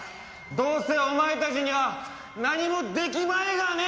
どうせお前たちには何もできまいがね。